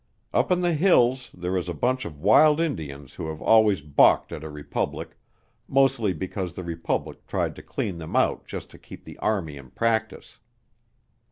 Up in the hills there is a bunch of wild Indians who have always balked at a republic, mostly because the republic tried to clean them out just to keep the army in practice.